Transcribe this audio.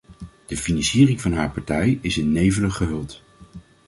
De financiering van haar partij is in nevelen gehuld.